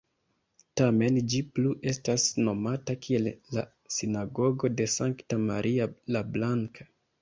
Tamen ĝi plu estas nomata kiel la "Sinagogo de Sankta Maria la Blanka".